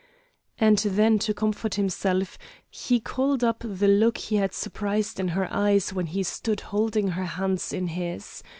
And then to comfort himself, he called up the look he had surprised in her eyes when he stood holding her hands in his.